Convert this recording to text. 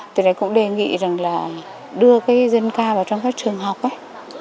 từ đấy cũng đề nghị rằng là đưa cái dân ca vào trong các trường học ấy